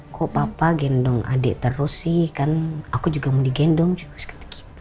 kok papa gendong adik terus sih kan aku juga mau digendong juga